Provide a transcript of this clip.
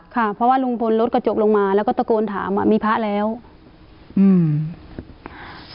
ค่ะเพราะว่าลุงพลลดกระจกลงมาแล้วก็ตะโกนถามอ่ะมีพระแล้วอืม